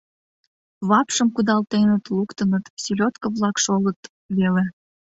Вапшым кудалтеныт, луктыныт — селёдко-влак шолыт веле.